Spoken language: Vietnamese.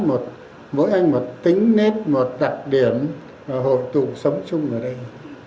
mỗi anh một tính nét một đặc điểm hội tù sống chung ở đây